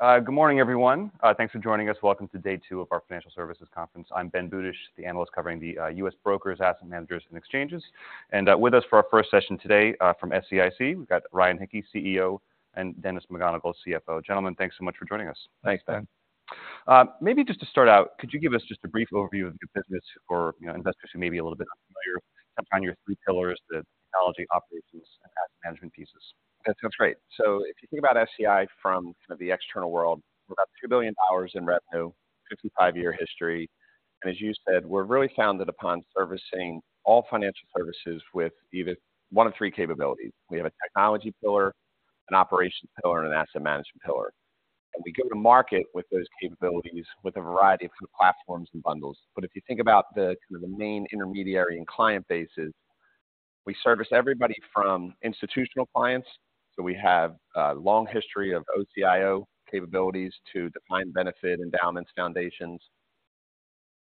All right, good morning, everyone. Thanks for joining us. Welcome to day two of our financial services conference. I'm Ben Budish, the analyst covering the U.S. Brokers, Asset Managers, and Exchanges. With us for our first session today, from SEIC, we've got Ryan Hicke, CEO, and Dennis McGonigle, CFO. Gentlemen, thanks so much for joining us. Thanks, Ben. Maybe just to start out, could you give us just a brief overview of your business for, you know, investors who may be a little bit unfamiliar? Touch on your three pillars, the technology, operations, and asset management pieces. That's, that's great. So if you think about SEI from kind of the external world, we're about $2 billion in revenue, 55-year history, and as you said, we're really founded upon servicing all financial services with either one of three capabilities. We have a technology pillar, an operations pillar, and an asset management pillar. And we go to market with those capabilities with a variety of different platforms and bundles. But if you think about the kind of the main intermediary and client bases, we service everybody from institutional clients. So we have a long history of OCIO capabilities to defined benefit endowments, foundations.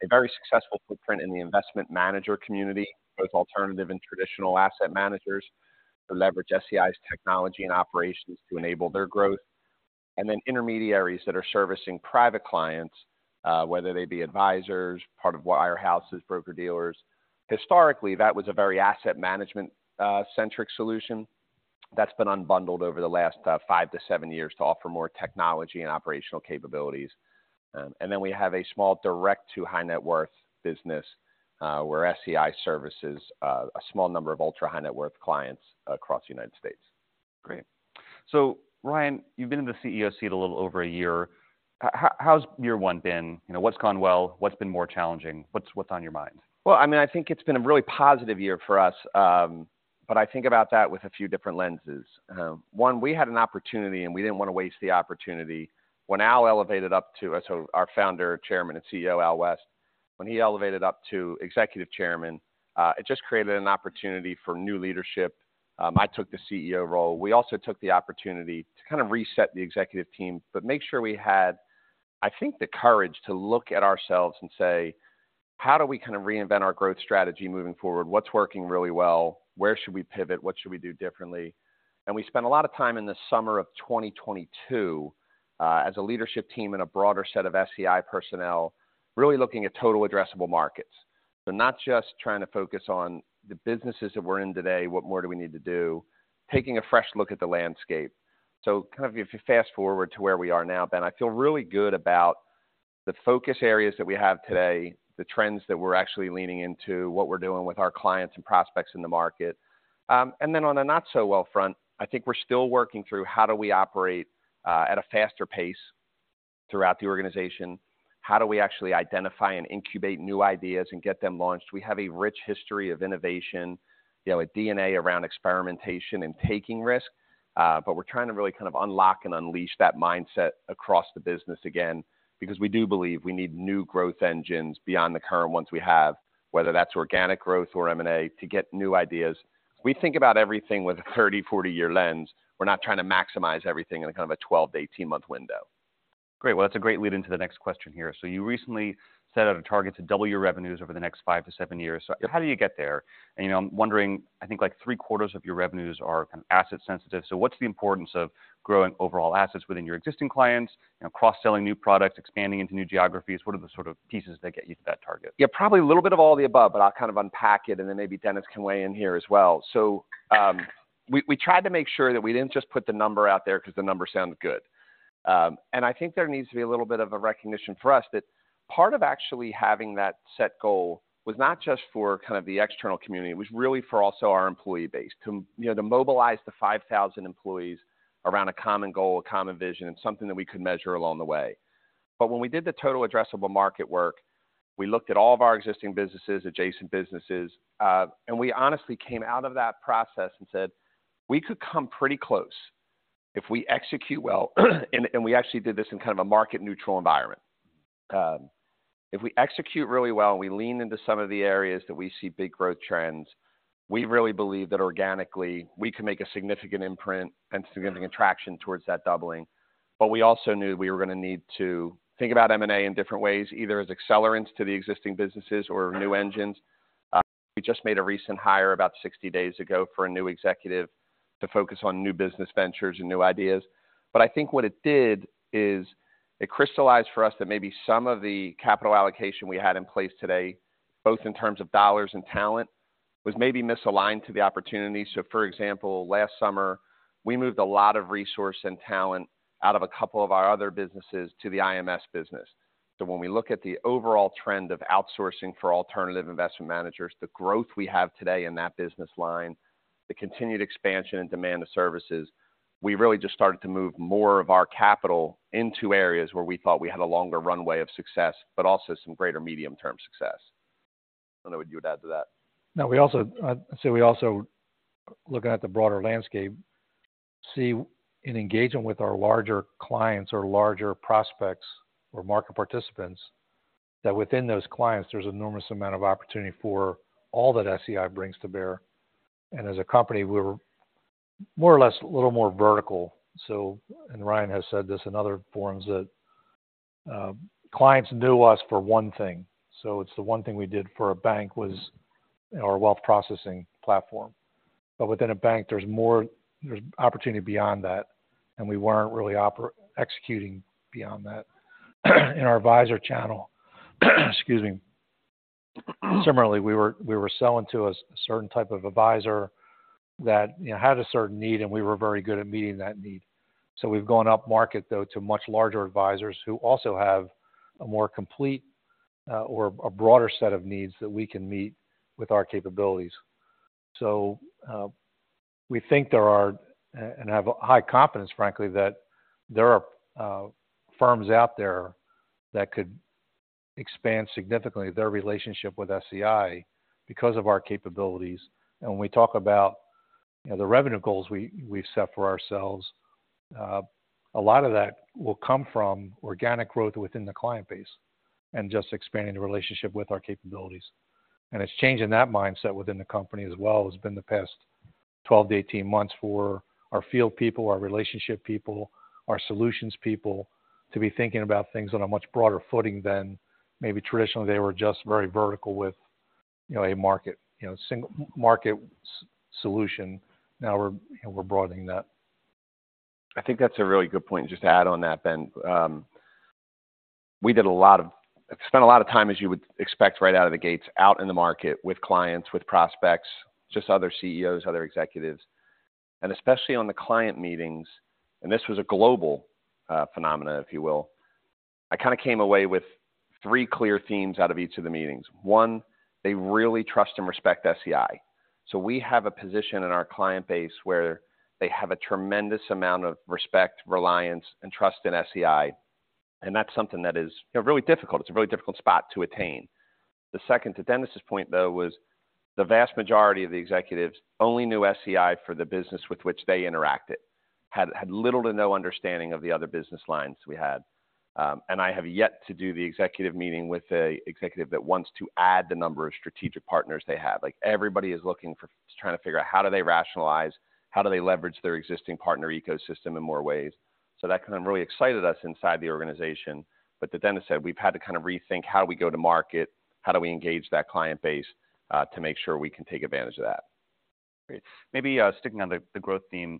A very successful footprint in the investment manager community, both alternative and traditional asset managers, to leverage SEI's technology and operations to enable their growth. And then intermediaries that are servicing private clients, whether they be advisors, part of wirehouses, broker-dealers. Historically, that was a very asset management centric solution that's been unbundled over the last five to seven years to offer more technology and operational capabilities. And then we have a small direct-to-high-net-worth business where SEI services a small number of ultra-high-net-worth clients across the United States. Great. So Ryan, you've been in the CEO seat a little over a year. How's year one been? You know, what's gone well? What's been more challenging? What's on your mind? Well, I mean, I think it's been a really positive year for us, but I think about that with a few different lenses. One, we had an opportunity, and we didn't want to waste the opportunity. So our Founder, Chairman, and CEO, Al West, when he elevated up to executive chairman, it just created an opportunity for new leadership. I took the CEO role. We also took the opportunity to kind of reset the executive team, but make sure we had, I think, the courage to look at ourselves and say: How do we kind of reinvent our growth strategy moving forward? What's working really well? Where should we pivot? What should we do differently? We spent a lot of time in the summer of 2022, as a leadership team and a broader set of SEI personnel, really looking at total addressable markets. So not just trying to focus on the businesses that we're in today, what more do we need to do? Taking a fresh look at the landscape. So kind of if you fast-forward to where we are now, Ben, I feel really good about the focus areas that we have today, the trends that we're actually leaning into, what we're doing with our clients and prospects in the market. And then on a not-so-well front, I think we're still working through how do we operate at a faster pace throughout the organization? How do we actually identify and incubate new ideas and get them launched? We have a rich history of innovation, you know, a DNA around experimentation and taking risk, but we're trying to really kind of unlock and unleash that mindset across the business again, because we do believe we need new growth engines beyond the current ones we have, whether that's organic growth or M&A, to get new ideas. We think about everything with a 30- or 40-year lens. We're not trying to maximize everything in a kind of a 12-18-month window. Great. Well, that's a great lead into the next question here. So you recently set out a target to double your revenues over the next five to seven years. So how do you get there? And, you know, I'm wondering, I think, like, three-quarters of your revenues are kind of asset sensitive. So what's the importance of growing overall assets within your existing clients, you know, cross-selling new products, expanding into new geographies? What are the sort of pieces that get you to that target? Yeah, probably a little bit of all the above, but I'll kind of unpack it, and then maybe Dennis can weigh in here as well. So, we tried to make sure that we didn't just put the number out there because the number sounded good. I think there needs to be a little bit of a recognition for us that part of actually having that set goal was not just for kind of the external community, it was really for also our employee base. To, you know, to mobilize the 5,000 employees around a common goal, a common vision, and something that we could measure along the way. But when we did the total addressable market work, we looked at all of our existing businesses, adjacent businesses, and we honestly came out of that process and said, "We could come pretty close if we execute well." And, and we actually did this in kind of a market-neutral environment. If we execute really well, and we lean into some of the areas that we see big growth trends, we really believe that organically, we can make a significant imprint and significant traction towards that doubling. But we also knew we were going to need to think about M&A in different ways, either as accelerants to the existing businesses or new engines. We just made a recent hire about 60 days ago for a new executive to focus on new business ventures and new ideas. But I think what it did is it crystallized for us that maybe some of the capital allocation we had in place today, both in terms of dollars and talent, was maybe misaligned to the opportunity. So, for example, last summer, we moved a lot of resource and talent out of a couple of our other businesses to the IMS business. So when we look at the overall trend of outsourcing for alternative investment managers, the growth we have today in that business line, the continued expansion and demand of services, we really just started to move more of our capital into areas where we thought we had a longer runway of success, but also some greater medium-term success. I don't know what you would add to that. No, we also, so we also, looking at the broader landscape, see in engagement with our larger clients or larger prospects or market participants, that within those clients, there's enormous amount of opportunity for all that SEI brings to bear. And as a company, we're more or less a little more vertical. So, and Ryan has said this in other forums, clients knew us for one thing, so it's the one thing we did for a bank was our wealth processing platform. But within a bank, there's more, there's opportunity beyond that, and we weren't really executing beyond that. In our advisor channel, excuse me. Similarly, we were selling to a certain type of advisor that, you know, had a certain need, and we were very good at meeting that need. So we've gone upmarket, though, to much larger advisors who also have a more complete, or a broader set of needs that we can meet with our capabilities. So, we think there are, and have high confidence, frankly, that there are, firms out there that could expand significantly their relationship with SEI because of our capabilities. And when we talk about, you know, the revenue goals we've set for ourselves, a lot of that will come from organic growth within the client base and just expanding the relationship with our capabilities. And it's changing that mindset within the company as well. It's been the past 12-18 months for our field people, our relationship people, our solutions people, to be thinking about things on a much broader footing than maybe traditionally they were just very vertical with, you know, a market, you know, single market solution. Now we're, you know, we're broadening that. I think that's a really good point. Just to add on that, Ben, I spent a lot of time, as you would expect, right out of the gates, out in the market, with clients, with prospects, just other CEOs, other executives, and especially on the client meetings, and this was a global phenomenon, if you will. I kind of came away with three clear themes out of each of the meetings. One, they really trust and respect SEI. So we have a position in our client base where they have a tremendous amount of respect, reliance, and trust in SEI, and that's something that is, you know, really difficult. It's a really difficult spot to attain. The second, to Dennis's point, though, was the vast majority of the executives only knew SEI for the business with which they interacted, had little to no understanding of the other business lines we had. And I have yet to do the executive meeting with a executive that wants to add the number of strategic partners they have. Like, everybody is looking for, trying to figure out how do they rationalize, how do they leverage their existing partner ecosystem in more ways. So that kind of really excited us inside the organization. But as Dennis said, we've had to kind of rethink how we go to market, how do we engage that client base, to make sure we can take advantage of that. Great. Maybe sticking on the growth theme,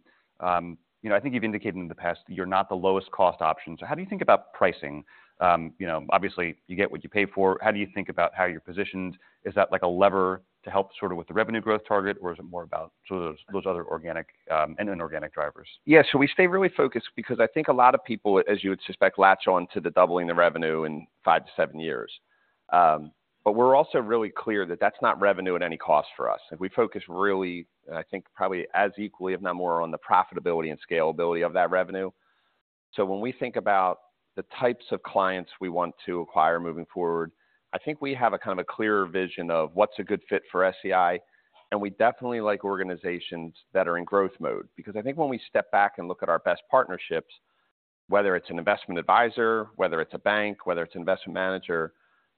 you know, I think you've indicated in the past that you're not the lowest cost option. So how do you think about pricing? You know, obviously, you get what you pay for. How do you think about how you're positioned? Is that like a lever to help sort of with the revenue growth target, or is it more about sort of those other organic and inorganic drivers? Yeah, so we stay really focused because I think a lot of people, as you would suspect, latch on to the doubling the revenue in five to seven years. But we're also really clear that that's not revenue at any cost for us. We focus really, and I think probably as equally, if not more, on the profitability and scalability of that revenue. So when we think about the types of clients we want to acquire moving forward, I think we have a kind of a clearer vision of what's a good fit for SEI, and we definitely like organizations that are in growth mode. Because I think when we step back and look at our best partnerships, whether it's an investment advisor, whether it's a bank, whether it's an investment manager,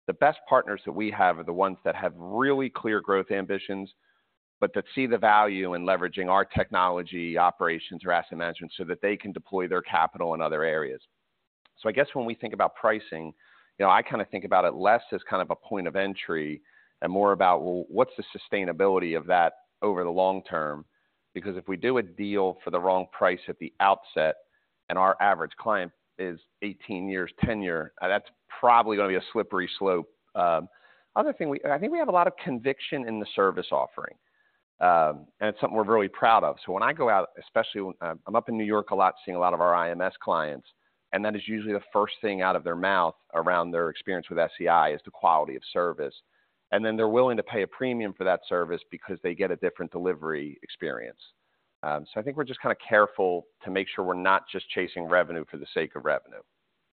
the best partners that we have are the ones that have really clear growth ambitions, but that see the value in leveraging our technology, operations or asset management so that they can deploy their capital in other areas. So I guess when we think about pricing, you know, I kind of think about it less as kind of a point of entry and more about, well, what's the sustainability of that over the long term? Because if we do a deal for the wrong price at the outset, and our average client is 18 years tenure, that's probably going to be a slippery slope. Other thing I think we have a lot of conviction in the service offering, and it's something we're really proud of. So when I go out, especially when I'm up in New York a lot, seeing a lot of our IMS clients, and that is usually the first thing out of their mouth around their experience with SEI, is the quality of service. And then they're willing to pay a premium for that service because they get a different delivery experience. So I think we're just kind of careful to make sure we're not just chasing revenue for the sake of revenue.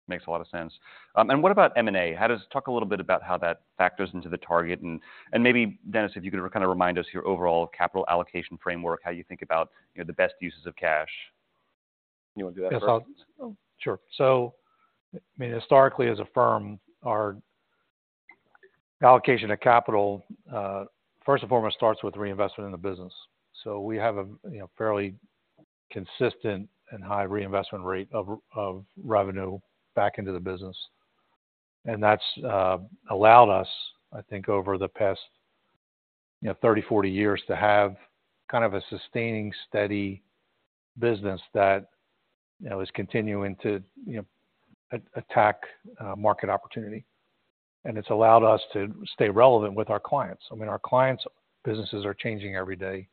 Makes a lot of sense. And what about M&A? How does... Talk a little bit about how that factors into the target, and maybe, Dennis, if you could kind of remind us your overall capital allocation framework, how you think about, you know, the best uses of cash? You want to do that first? Yes, sure. So, I mean, historically, as a firm, our allocation of capital first and foremost starts with reinvestment in the business. So we have a, you know, fairly consistent and high reinvestment rate of revenue back into the business. And that's allowed us, I think, over the past, you know, 30, 40 years, to have kind of a sustaining, steady business that, you know, is continuing to, you know, attack market opportunity. And it's allowed us to stay relevant with our clients. I mean, our clients' businesses are changing every day.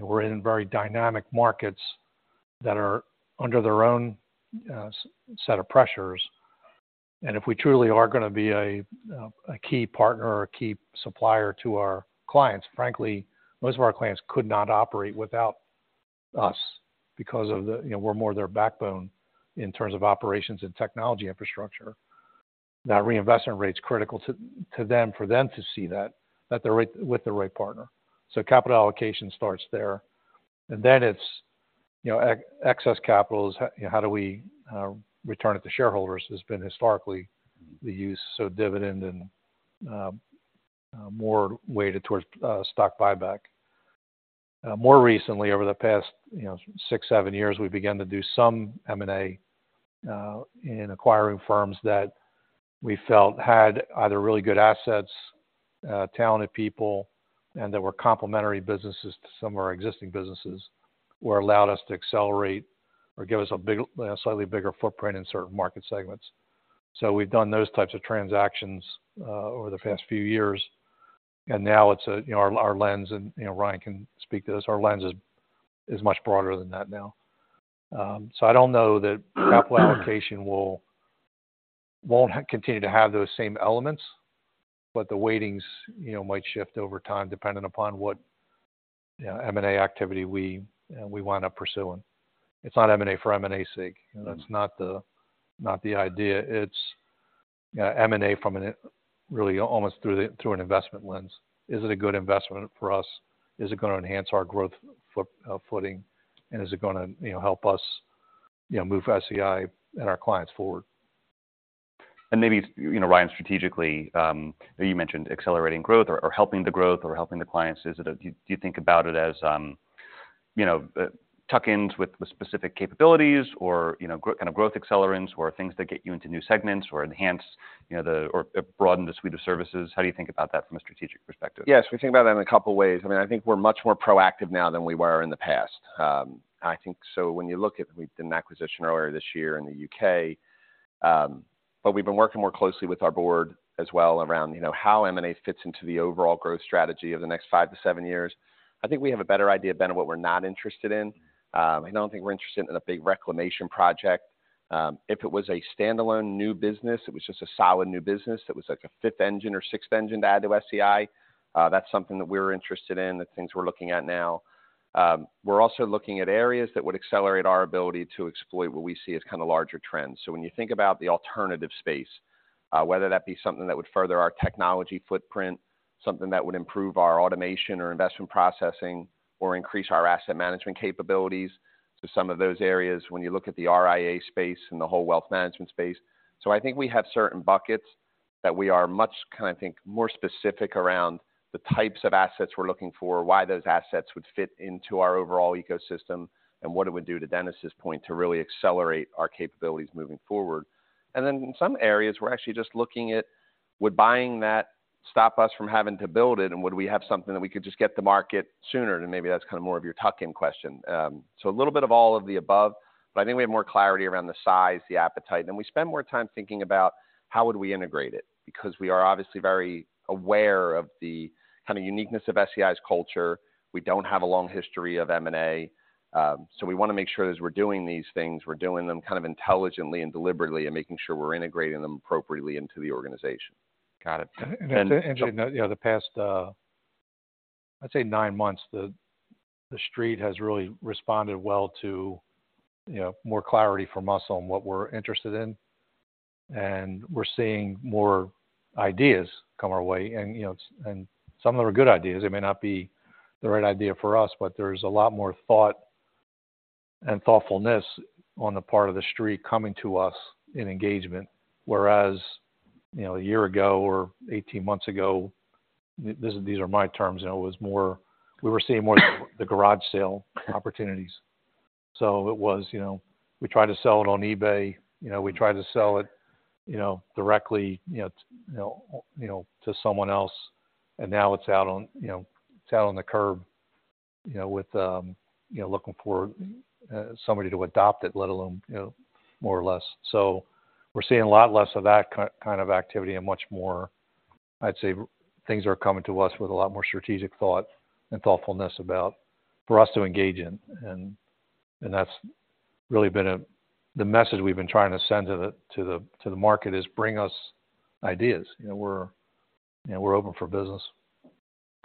We're in very dynamic markets that are under their own set of pressures. And if we truly are going to be a key partner or a key supplier to our clients, frankly, most of our clients could not operate without us because of the, you know, we're more of their backbone in terms of operations and technology infrastructure. That reinvestment rate is critical to them, for them to see that they're with the right partner. So capital allocation starts there. And then it's, you know, excess capital is how do we return it to shareholders? Has been historically the use, so dividend and more weighted towards stock buyback. More recently, over the past, you know, six, seven years, we began to do some M&A in acquiring firms that we felt had either really good assets, talented people, and that were complementary businesses to some of our existing businesses, or allowed us to accelerate or give us a big- a slightly bigger footprint in certain market segments. So we've done those types of transactions over the past few years, and now it's a, you know, our, our lens and, you know, Ryan can speak to this, our lens is, is much broader than that now. So I don't know that- capital allocation will, won't continue to have those same elements, but the weightings, you know, might shift over time depending upon what, you know, M&A activity we, we wind up pursuing. It's not M&A for M&A sake. Mm-hmm. That's not the, not the idea. It's M&A from an, really almost through a, through an investment lens. Is it a good investment for us? Is it gonna enhance our growth foot, footing, and is it gonna, you know, help us, you know, move SEI and our clients forward? Maybe, you know, Ryan, strategically, you mentioned accelerating growth or helping the growth or helping the clients. Do you think about it as, you know, tuck-ins with specific capabilities or, you know, kind of growth accelerants, or things that get you into new segments or enhance, you know, the or broaden the suite of services? How do you think about that from a strategic perspective? Yes, we think about that in a couple of ways. I mean, I think we're much more proactive now than we were in the past. I think so when you look at, we've done an acquisition earlier this year in the U.K., but we've been working more closely with our board as well around, you know, how M&A fits into the overall growth strategy of the next five to seven years. I think we have a better idea, Ben, of what we're not interested in. I don't think we're interested in a big reclamation project. If it was a standalone new business, it was just a solid new business that was like a fifth engine or sixth engine to add to SEI, that's something that we're interested in, the things we're looking at now. We're also looking at areas that would accelerate our ability to exploit what we see as kind of larger trends. So when you think about the alternative space, whether that be something that would further our technology footprint, something that would improve our automation or investment processing, or increase our asset management capabilities. So some of those areas, when you look at the RIA space and the whole wealth management space. So I think we have certain buckets that we are much kind of, I think, more specific around the types of assets we're looking for, why those assets would fit into our overall ecosystem, and what it would do, to Dennis's point, to really accelerate our capabilities moving forward. Then in some areas, we're actually just looking at, would buying that stop us from having to build it, and would we have something that we could just get to market sooner? Maybe that's kind of more of your tuck-in question. So a little bit of all of the above, but I think we have more clarity around the size, the appetite. Then we spend more time thinking about how would we integrate it? Because we are obviously very aware of the kind of uniqueness of SEI's culture. We don't have a long history of M&A, so we want to make sure as we're doing these things, we're doing them kind of intelligently and deliberately, and making sure we're integrating them appropriately into the organization. Got it. And- And, you know, the past, I'd say nine months, the Street has really responded well to, you know, more clarity from us on what we're interested in, and we're seeing more ideas come our way. And, you know, some of them are good ideas. They may not be the right idea for us, but there's a lot more thought and thoughtfulness on the part of the Street coming to us in engagement. Whereas, you know, a year ago or 18 months ago, these are my terms, you know, it was more... We were seeing more -- the garage sale opportunities. So it was, you know, we tried to sell it on eBay. You know, we tried to sell it, you know, directly, you know, you know, you know, to someone else, and now it's out on, you know, it's out on the curb, you know, with you know looking for somebody to adopt it, let alone, you know, more or less. So we're seeing a lot less of that kind of activity and much more, I'd say, things are coming to us with a lot more strategic thought and thoughtfulness about for us to engage in. And that's really been the message we've been trying to send to the market: bring us ideas. You know, we're, you know, we're open for business.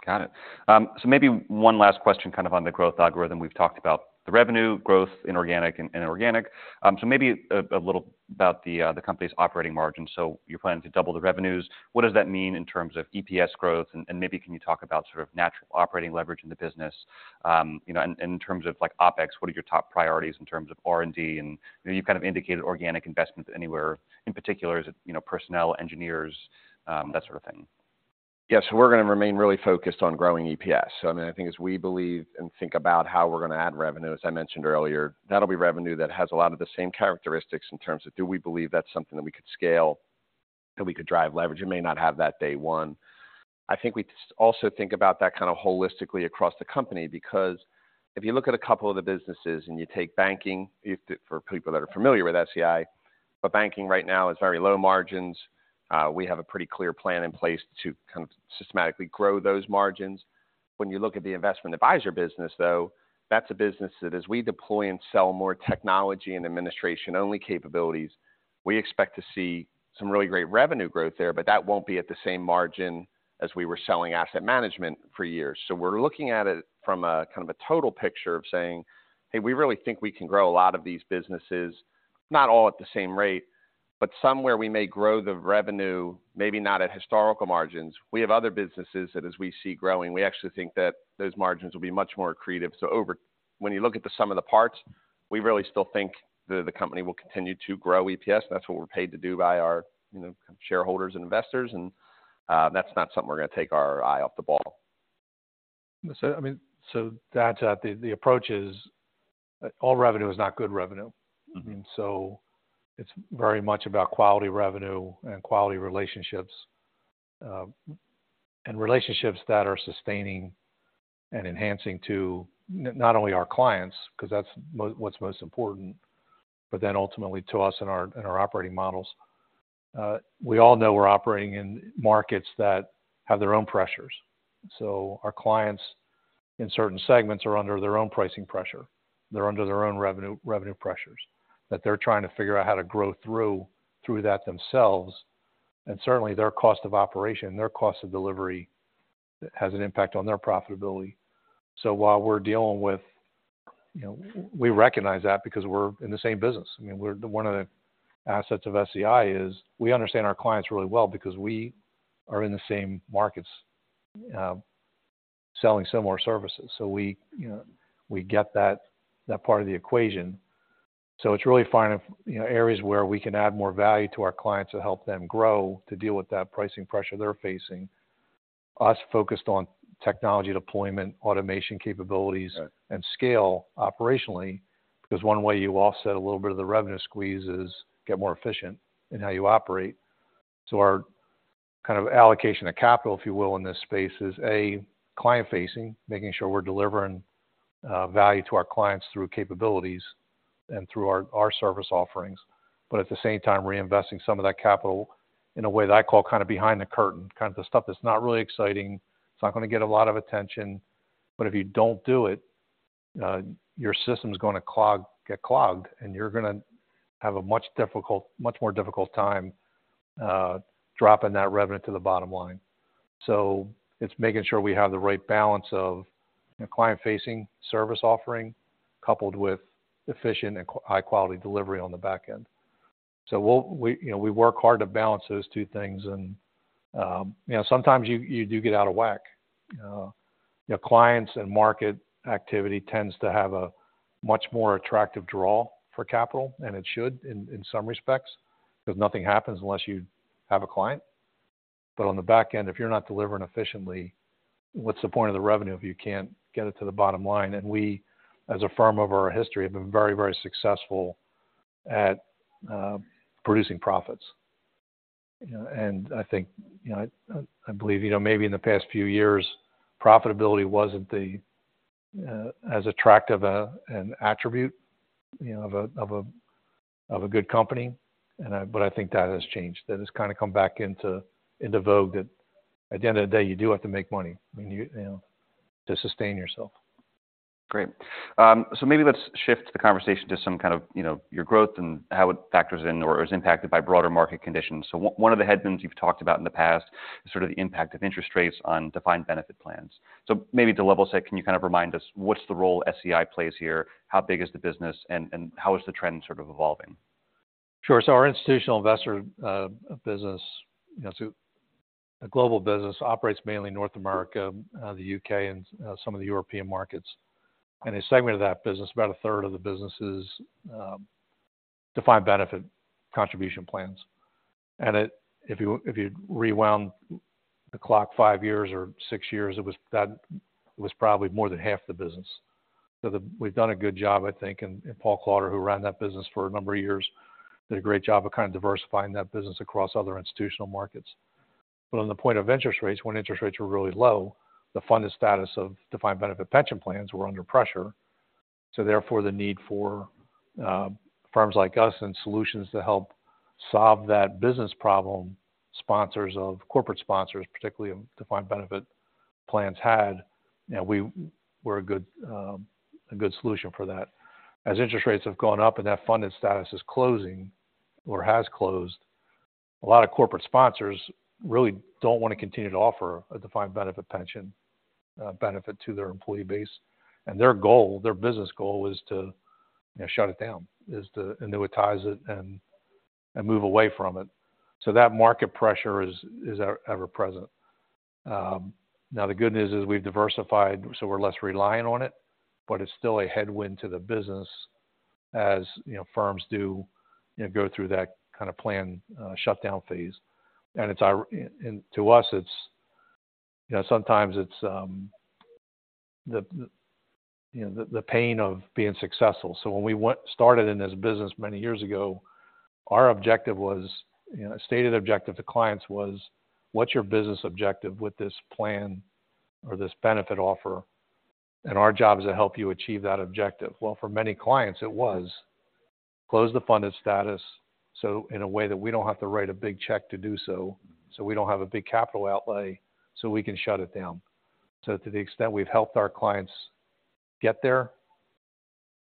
Got it. So maybe one last question, kind of on the growth algorithm. We've talked about the revenue growth, inorganic and organic. So maybe a little about the company's operating margin. So you're planning to double the revenues. What does that mean in terms of EPS growth? And maybe can you talk about sort of natural operating leverage in the business? You know, and in terms of, like, OpEx, what are your top priorities in terms of R&D? And you know, you've kind of indicated organic investments anywhere. In particular, is it, you know, personnel, engineers, that sort of thing? Yes, we're going to remain really focused on growing EPS. So I mean, I think as we believe and think about how we're going to add revenue, as I mentioned earlier, that'll be revenue that has a lot of the same characteristics in terms of, do we believe that's something that we could scale, that we could drive leverage? It may not have that day one. I think we also think about that kind of holistically across the company, because if you look at a couple of the businesses and you take banking, if, for people that are familiar with SEI, but banking right now is very low margins. We have a pretty clear plan in place to kind of systematically grow those margins. When you look at the investment advisor business, though, that's a business that as we deploy and sell more technology and administration-only capabilities, we expect to see some really great revenue growth there, but that won't be at the same margin as we were selling asset management for years. So we're looking at it from a, kind of a total picture of saying, "Hey, we really think we can grow a lot of these businesses, not all at the same rate, but somewhere we may grow the revenue, maybe not at historical margins." We have other businesses that as we see growing, we actually think that those margins will be much more accretive. So over... When you look at the sum of the parts, we really still think that the company will continue to grow EPS. That's what we're paid to do by our, you know, shareholders and investors, and, that's not something we're gonna take our eye off the ball. I mean, that's the approach: all revenue is not good revenue. Mm-hmm. So it's very much about quality revenue and quality relationships, and relationships that are sustaining and enhancing to not only our clients, 'cause that's what's most important, but then ultimately to us in our operating models. We all know we're operating in markets that have their own pressures. So our clients in certain segments are under their own pricing pressure. They're under their own revenue, revenue pressures, that they're trying to figure out how to grow through that themselves, and certainly their cost of operation, their cost of delivery, has an impact on their profitability. So while we're dealing with, you know, we recognize that because we're in the same business. I mean, one of the assets of SEI is, we understand our clients really well because we are in the same markets, selling similar services. So we, you know, we get that, that part of the equation. So it's really finding, you know, areas where we can add more value to our clients to help them grow, to deal with that pricing pressure they're facing. Us focused on technology deployment, automation capabilities- Right.... and scale operationally, because one way you offset a little bit of the revenue squeeze is get more efficient in how you operate. So our kind of allocation of capital, if you will, in this space, is, A, client-facing, making sure we're delivering value to our clients through capabilities and through our service offerings, but at the same time, reinvesting some of that capital in a way that I call kind of behind the curtain. Kind of the stuff that's not really exciting, it's not gonna get a lot of attention, but if you don't do it, your system's gonna get clogged, and you're gonna have a much more difficult time dropping that revenue to the bottom line. So it's making sure we have the right balance of a client-facing service offering, coupled with efficient and high-quality delivery on the back end. So we'll, we, you know, we work hard to balance those two things and, you know, sometimes you, you do get out of whack. Your clients and market activity tends to have a much more attractive draw for capital, and it should in some respects, because nothing happens unless you have a client. But on the back end, if you're not delivering efficiently, what's the point of the revenue if you can't get it to the bottom line? And we, as a firm over our history, have been very, very successful at producing profits. I think, you know, I believe, you know, maybe in the past few years, profitability wasn't as attractive an attribute, you know, of a good company, but I think that has changed. That has kind of come back into vogue, that at the end of the day, you do have to make money, I mean, you know, to sustain yourself. Great. So maybe let's shift the conversation to some kind of, you know, your growth and how it factors in or is impacted by broader market conditions. So one of the headwinds you've talked about in the past is sort of the impact of interest rates on defined benefit plans. So maybe to level set, can you kind of remind us what's the role SEI plays here? How big is the business, and how is the trend sort of evolving? Sure. So our institutional investor business, you know, so a global business operates mainly in North America, the U.K., and some of the European markets. And a segment of that business, about a third of the business, is defined benefit contribution plans. And if you, if you rewound the clock five years or six years, it was, that was probably more than half the business. So we've done a good job, I think, and Paul Klauder, who ran that business for a number of years, did a great job of kind of diversifying that business across other institutional markets. But on the point of interest rates, when interest rates were really low, the funded status of defined benefit pension plans were under pressure, so therefore, the need for firms like us and solutions to help solve that business problem, corporate sponsors, particularly of defined benefit plans had, and we were a good solution for that. As interest rates have gone up and that funded status is closing or has closed, a lot of corporate sponsors really don't want to continue to offer a defined benefit pension benefit to their employee base, and their goal, their business goal is to, you know, shut it down, is to annuitize it and move away from it. So that market pressure is ever present. Now, the good news is we've diversified, so we're less reliant on it, but it's still a headwind to the business, as, you know, firms do, you know, go through that kind of plan shutdown phase. And to us, it's, you know, sometimes it's the, you know, the pain of being successful. So when we started in this business many years ago, our objective was, you know, stated objective to clients was: What's your business objective with this plan or this benefit offer? And our job is to help you achieve that objective. Well, for many clients, it was close the funded status, so in a way that we don't have to write a big check to do so, so we don't have a big capital outlay, so we can shut it down. So to the extent we've helped our clients get there,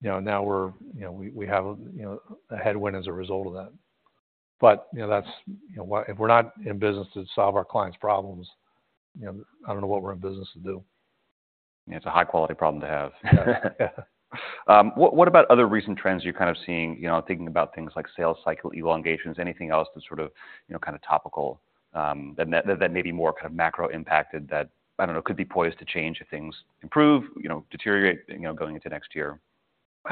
you know, now we're, you know, we, we have a, you know, a headwind as a result of that. But, you know, that's, you know what? If we're not in business to solve our clients' problems, you know, I don't know what we're in business to do. It's a high-quality problem to have. Yeah. What about other recent trends you're kind of seeing, you know, thinking about things like sales cycle elongations, anything else that's sort of, you know, kind of topical, and that may be more kind of macro impacted that, I don't know, could be poised to change if things improve, you know, deteriorate, you know, going into next year?...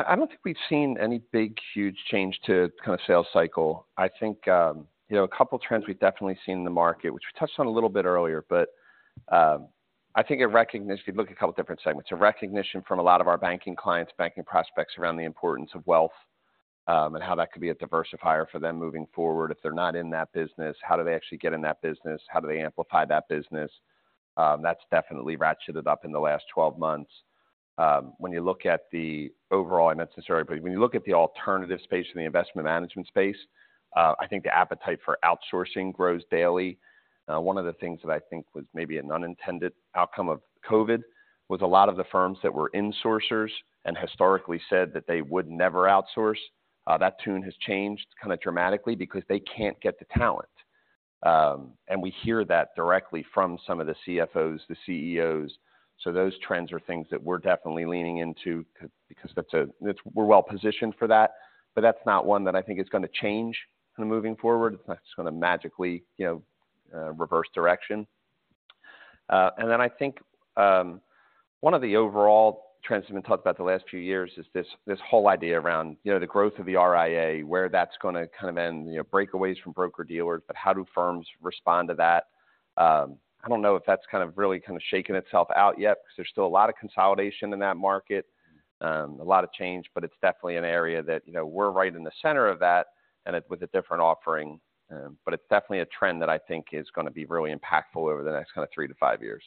I don't think we've seen any big, huge change to the kind of sales cycle. I think, you know, a couple of trends we've definitely seen in the market, which we touched on a little bit earlier, but, I think a recognition. If you look at a couple different segments, a recognition from a lot of our banking clients, banking prospects around the importance of wealth, and how that could be a diversifier for them moving forward. If they're not in that business, how do they actually get in that business? How do they amplify that business? That's definitely ratcheted up in the last 12 months. When you look at the overall, I mentioned this already, but when you look at the alternative space and the investment management space, I think the appetite for outsourcing grows daily. One of the things that I think was maybe an unintended outcome of COVID, was a lot of the firms that were insourcers and historically said that they would never outsource, that tune has changed kinda dramatically because they can't get the talent. And we hear that directly from some of the CFOs, the CEOs. So those trends are things that we're definitely leaning into because that's a we're well positioned for that, but that's not one that I think is gonna change kind of moving forward. That's gonna magically, you know, reverse direction. And then I think, one of the overall trends that have been talked about the last few years is this, this whole idea around, you know, the growth of the RIA, where that's gonna kind of end, you know, breakaways from broker-dealers, but how do firms respond to that? I don't know if that's kind of really kind of shaken itself out yet, because there's still a lot of consolidation in that market, a lot of change, but it's definitely an area that, you know, we're right in the center of that and with a different offering. But it's definitely a trend that I think is gonna be really impactful over the next kind of three to five years.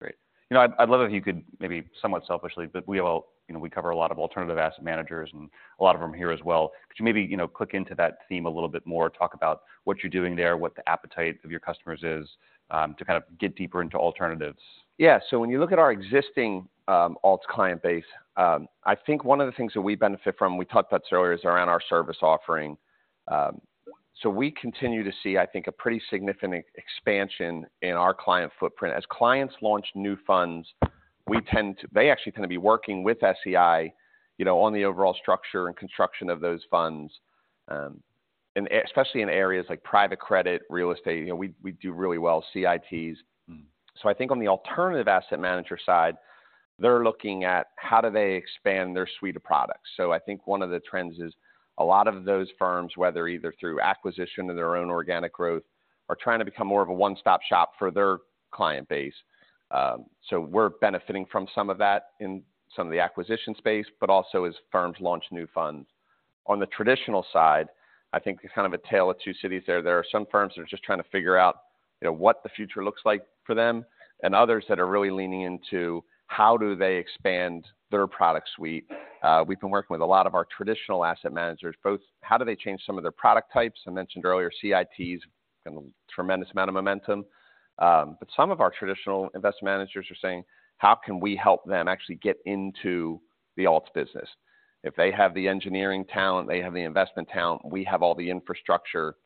Great. You know, I'd love if you could, maybe somewhat selfishly, but we all... You know, we cover a lot of alternative asset managers and a lot of them are here as well. Could you maybe, you know, click into that theme a little bit more, talk about what you're doing there, what the appetite of your customers is, to kind of get deeper into alternatives? Yeah. So when you look at our existing alts client base, I think one of the things that we benefit from, we talked about this earlier, is around our service offering. So we continue to see, I think, a pretty significant expansion in our client footprint. As clients launch new funds, we tend to, they actually tend to be working with SEI, you know, on the overall structure and construction of those funds, and especially in areas like private credit, real estate, you know, we do really well, CITs. Mm. So I think on the alternative asset manager side, they're looking at how do they expand their suite of products. So I think one of the trends is a lot of those firms, whether either through acquisition or their own organic growth, are trying to become more of a one-stop shop for their client base. So we're benefiting from some of that in some of the acquisition space, but also as firms launch new funds. On the traditional side, I think it's kind of a tale of two cities there. There are some firms that are just trying to figure out, you know, what the future looks like for them, and others that are really leaning into how do they expand their product suite. We've been working with a lot of our traditional asset managers, both how do they change some of their product types? I mentioned earlier, CITs, and a tremendous amount of momentum. But some of our traditional investment managers are saying, "How can we help them actually get into the alts business?" If they have the engineering talent, they have the investment talent, we have all the infrastructure-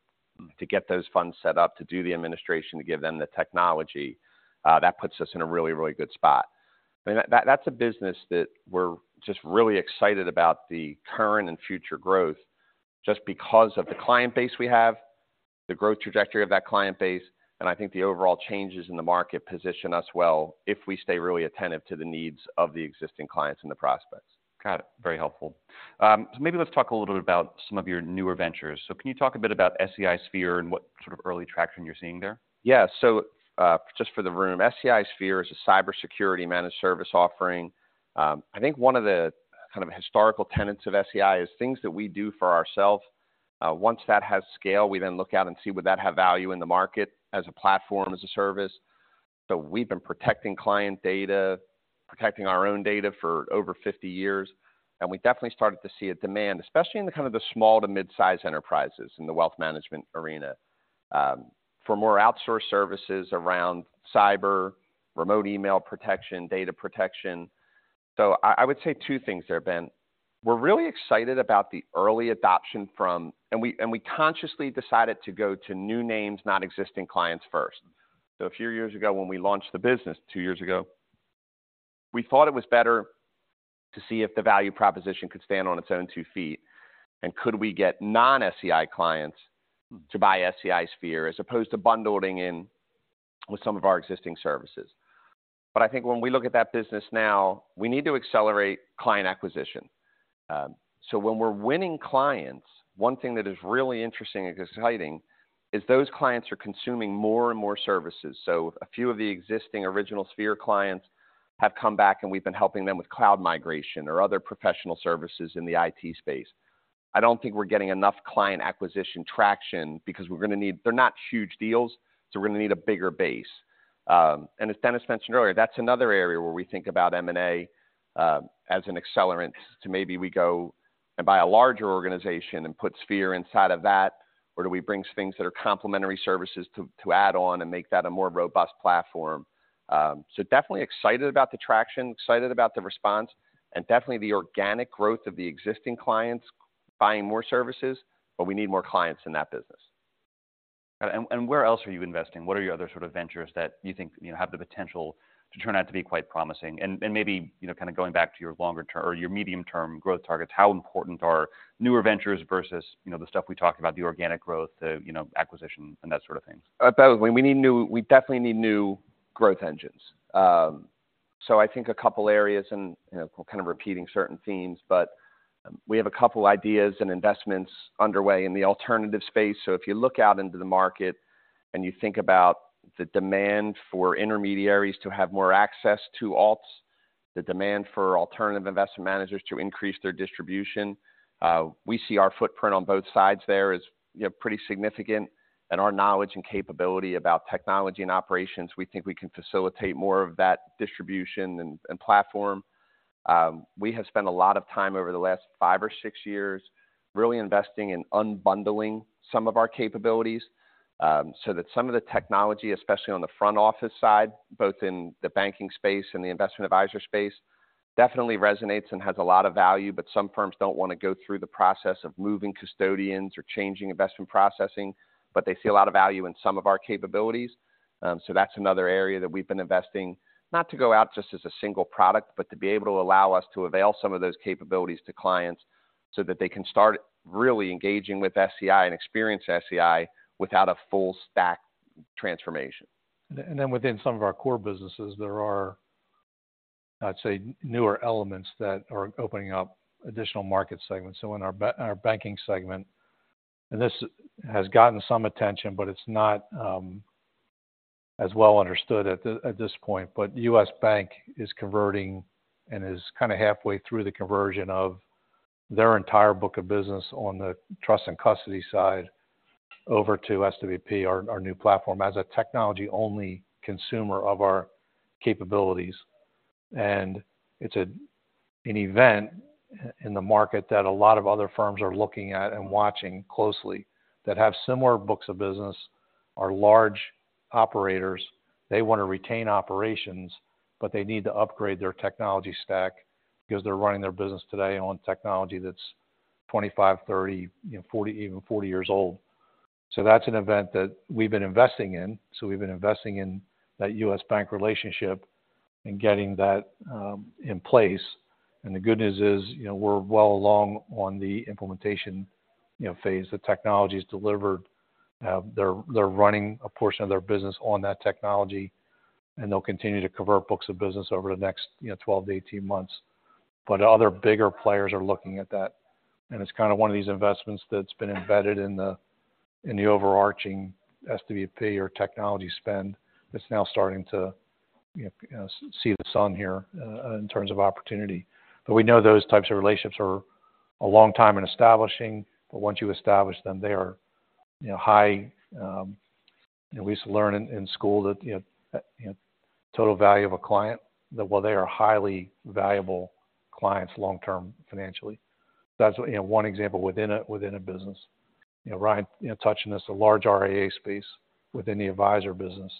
Mm. -to get those funds set up, to do the administration, to give them the technology, that puts us in a really, really good spot. I mean, that, that's a business that we're just really excited about the current and future growth, just because of the client base we have, the growth trajectory of that client base, and I think the overall changes in the market position us well, if we stay really attentive to the needs of the existing clients and the prospects. Got it. Very helpful. Maybe let's talk a little bit about some of your newer ventures. Can you talk a bit about SEI Sphere and what sort of early traction you're seeing there? Yeah. So, just for the room, SEI Sphere is a cybersecurity managed service offering. I think one of the kind of historical tenets of SEI is things that we do for ourselves, once that has scale, we then look out and see would that have value in the market as a platform, as a service. So we've been protecting client data, protecting our own data for over 50 years, and we definitely started to see a demand, especially in the kind of the small to mid-size enterprises in the wealth management arena, for more outsourced services around cyber, remote email protection, data protection. So I would say two things there, Ben. We're really excited about the early adoption from... And we consciously decided to go to new names, not existing clients first. So a few years ago, when we launched the business, two years ago, we thought it was better to see if the value proposition could stand on its own two feet, and could we get non-SEI clients- Mm. -to buy SEI Sphere, as opposed to bundling in with some of our existing services. But I think when we look at that business now, we need to accelerate client acquisition. So when we're winning clients, one thing that is really interesting and exciting is those clients are consuming more and more services. So a few of the existing original Sphere clients have come back, and we've been helping them with cloud migration or other professional services in the IT space. I don't think we're getting enough client acquisition traction because we're gonna need... They're not huge deals, so we're gonna need a bigger base. And as Dennis mentioned earlier, that's another area where we think about M&A as an accelerant to maybe we go and buy a larger organization and put Sphere inside of that, or do we bring things that are complementary services to add on and make that a more robust platform? So definitely excited about the traction, excited about the response, and definitely the organic growth of the existing clients buying more services, but we need more clients in that business. Got it. And, and where else are you investing? What are your other sort of ventures that you think, you know, have the potential to turn out to be quite promising? And, and maybe, you know, kind of going back to your longer-term or your medium-term growth targets, how important are newer ventures versus, you know, the stuff we talked about, the organic growth, the, you know, acquisition, and that sort of things? Both. We definitely need new growth engines. So I think a couple areas and, you know, kind of repeating certain themes, but we have a couple ideas and investments underway in the alternative space. So if you look out into the market and you think about the demand for intermediaries to have more access to alts, the demand for alternative investment managers to increase their distribution, we see our footprint on both sides there is, you know, pretty significant. And our knowledge and capability about technology and operations, we think we can facilitate more of that distribution and platform. We have spent a lot of time over the last five or six years really investing in unbundling some of our capabilities, so that some of the technology, especially on the front office side, both in the banking space and the investment advisor space, definitely resonates and has a lot of value. But some firms don't want to go through the process of moving custodians or changing investment processing, but they see a lot of value in some of our capabilities. So that's another area that we've been investing, not to go out just as a single product, but to be able to allow us to avail some of those capabilities to clients so that they can start really engaging with SEI and experience SEI without a full stack transformation. And then within some of our core businesses, there are, I'd say, newer elements that are opening up additional market segments. So in our banking segment, and this has gotten some attention, but it's not as well understood at the, at this point. But U.S. Bank is converting and is kind of halfway through the conversion of their entire book of business on the trust and custody side over to SWP, our, our new platform, as a technology-only consumer of our capabilities. And it's an event in the market that a lot of other firms are looking at and watching closely, that have similar books of business, are large operators. They want to retain operations, but they need to upgrade their technology stack because they're running their business today on technology that's 25, 30, you know, 40, even 40 years old. So that's an event that we've been investing in. So we've been investing in that U.S. Bank relationship and getting that in place. The good news is, you know, we're well along on the implementation, you know, phase. The technology is delivered. They're running a portion of their business on that technology, and they'll continue to convert books of business over the next, you know, 12-18 months. But other bigger players are looking at that, and it's kind of one of these investments that's been embedded in the overarching SWP or technology spend that's now starting to, you know, see the sun here in terms of opportunity. But we know those types of relationships are a long time in establishing, but once you establish them, they are, you know, high. We used to learn in school that, you know, total value of a client, that well, they are highly valuable clients long-term financially. That's, you know, one example within a business. You know, Ryan, you know, touching this, a large RIA space within the advisor business.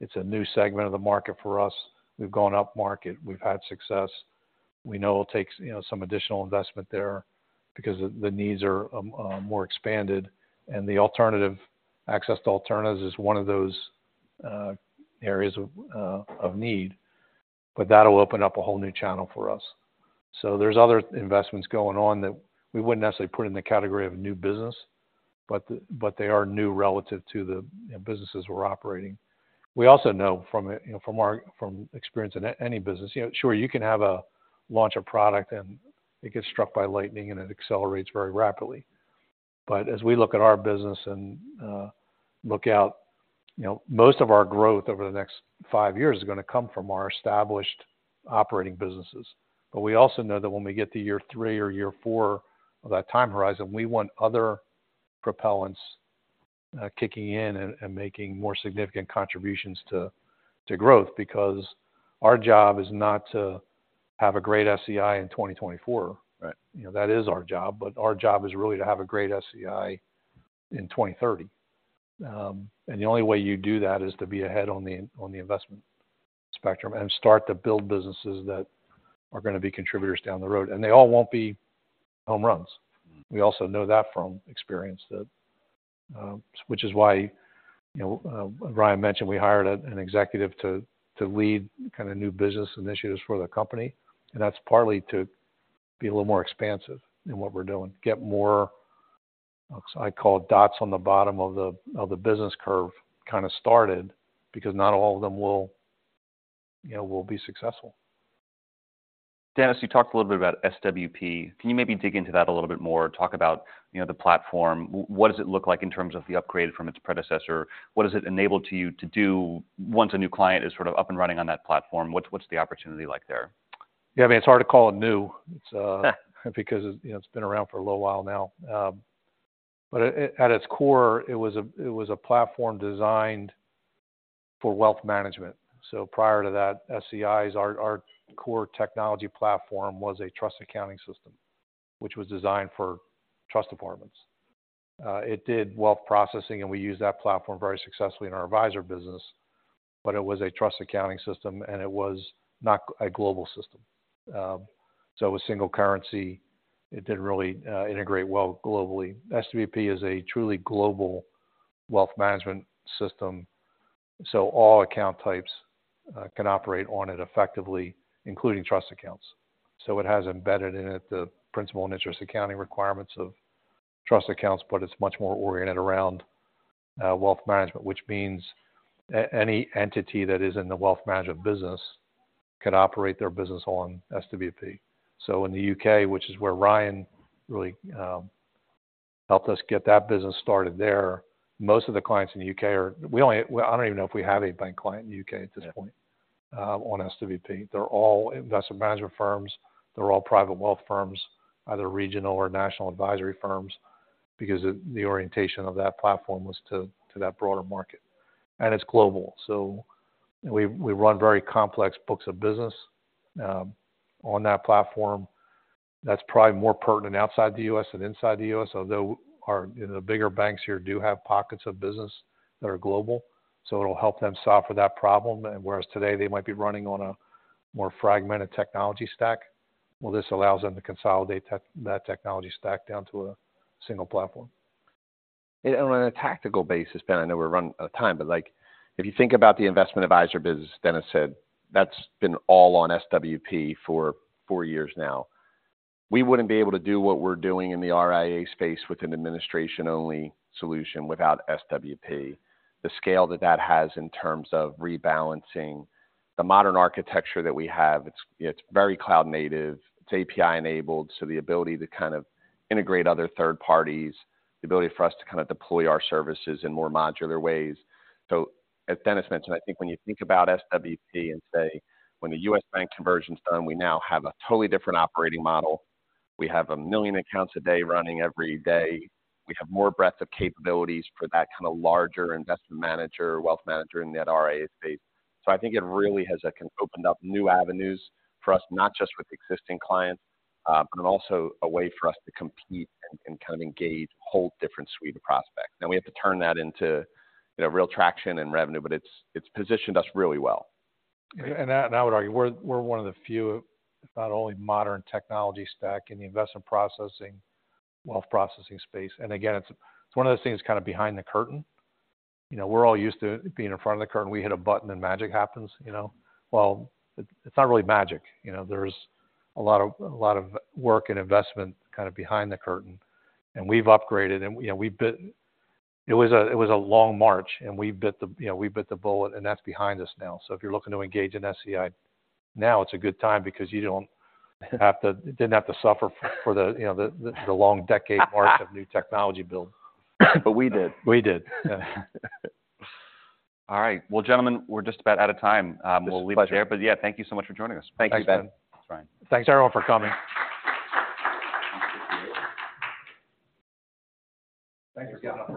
It's a new segment of the market for us. We've gone upmarket, we've had success. We know it takes, you know, some additional investment there because the needs are more expanded, and the alternative access to alternatives is one of those areas of need, but that'll open up a whole new channel for us. So there's other investments going on that we wouldn't necessarily put in the category of new business, but they are new relative to the, you know, businesses we're operating. We also know from, you know, our experience in any business, you know, sure, you can launch a product, and it gets struck by lightning, and it accelerates very rapidly. But as we look at our business and look out, you know, most of our growth over the next five years is gonna come from our established operating businesses. But we also know that when we get to year three or year four of that time horizon, we want other propellants kicking in and making more significant contributions to growth. Because our job is not to have a great SEI in 2024, right? You know, that is our job, but our job is really to have a great SEI in 2030. And the only way you do that is to be ahead on the investment spectrum and start to build businesses that are gonna be contributors down the road. And they all won't be home runs. We also know that from experience. Which is why, you know, Ryan mentioned we hired an executive to lead kind of new business initiatives for the company, and that's partly to be a little more expansive in what we're doing. Get more, I call it dots on the bottom of the business curve kind of started, because not all of them will, you know, be successful. Dennis, you talked a little bit about SWP. Can you maybe dig into that a little bit more? Talk about, you know, the platform. What does it look like in terms of the upgrade from its predecessor? What has it enabled you to do once a new client is sort of up and running on that platform, what's the opportunity like there? Yeah, I mean, it's hard to call it new. It's because, you know, it's been around for a little while now. But at its core, it was a platform designed for wealth management. So prior to that, SEI's our core technology platform was a trust accounting system, which was designed for trust departments. It did wealth processing, and we used that platform very successfully in our advisor business, but it was a trust accounting system, and it was not a global system. So it was single currency. It didn't really integrate well globally. SWP is a truly global wealth management system, so all account types can operate on it effectively, including trust accounts. So it has embedded in it the principal and interest accounting requirements of trust accounts, but it's much more oriented around wealth management, which means any entity that is in the wealth management business can operate their business on SWP. So in the U.K., which is where Ryan really helped us get that business started there, most of the clients in the U.K. are—well, I don't even know if we have a bank client in the U.K. at this point on SWP. They're all investment management firms. They're all private wealth firms, either regional or national advisory firms, because the orientation of that platform was to that broader market, and it's global. So we run very complex books of business on that platform that's probably more pertinent outside the U.S. than inside the U.S., although our, you know, the bigger banks here do have pockets of business that are global, so it'll help them solve for that problem. And whereas today they might be running on a more fragmented technology stack, well, this allows them to consolidate that technology stack down to a single platform. On a tactical basis, Ben, I know we're running out of time, but like, if you think about the investment advisor business, Dennis said, that's been all on SWP for four years now. We wouldn't be able to do what we're doing in the RIA space with an administration-only solution without SWP. The scale that that has in terms of rebalancing, the modern architecture that we have, it's, it's very cloud native, it's API-enabled, so the ability to kind of integrate other third parties, the ability for us to kind of deploy our services in more modular ways. So as Dennis mentioned, I think when you think about SWP and say, when the U.S. Bank conversion's done, we now have a totally different operating model. We have 1 million accounts a day running every day. We have more breadth of capabilities for that kind of larger investment manager, wealth manager in the RIA space. So I think it really has, like, opened up new avenues for us, not just with existing clients, but also a way for us to compete and kind of engage a whole different suite of prospects. Now, we have to turn that into, you know, real traction and revenue, but it's positioned us really well. And I would argue, we're one of the few, if not only modern technology stack in the investment processing, wealth processing space. And again, it's one of those things kind of behind the curtain. You know, we're all used to being in front of the curtain. We hit a button, and magic happens, you know? Well, it's not really magic. You know, there's a lot of work and investment kind of behind the curtain, and we've upgraded and, you know, we bit. It was a long march, and we bit the bullet, and that's behind us now. So if you're looking to engage in SEI, now it's a good time because you don't have to—didn't have to suffer for the, you know, the long decade mark of new technology build. But we did. We did. All right. Well, gentlemen, we're just about out of time. We'll leave it there. It's a pleasure. But, yeah, thank you so much for joining us. Thank you, Ben. Thanks, Ben. Thanks, Ryan. Thanks, everyone, for coming. Thanks, guys.